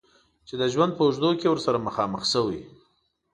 چې د ژوند په اوږدو کې ورسره مخامخ شوی.